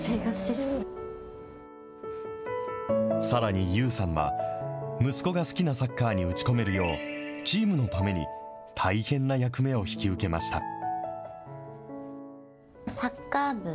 さらにＹＯＵさんは、息子が好きなサッカーに打ち込めるよう、チームのために大変な役目を引き受けました。